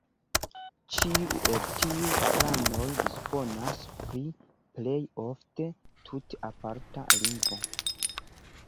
Ĉiu el tiuj klanoj disponas pri plej ofte tute aparta lingvo.